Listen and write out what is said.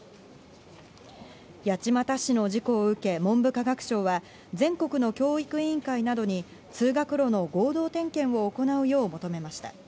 八街市の事故を受け、文部科学省は、全国の教育委員会などに、通学路の合同点検を行うよう求めました。